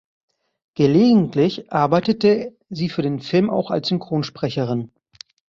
Gelegentlich arbeitete sie für den Film auch als Synchronsprecherin.